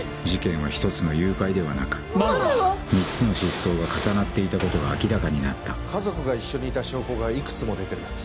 事件は１つの誘拐ではなくママは⁉３つの失踪が重なっていたことが明らかになった家族が一緒にいた証拠がいくつも出てる。